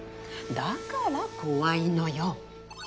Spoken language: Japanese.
だから怖いのよ。